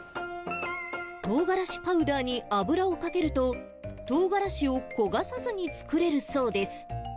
トウガラシパウダーに油をかけると、トウガラシを焦がさずに作れるそうです。